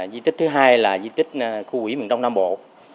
di tích thứ hai là di tích khu quỹ miền đông nam bộ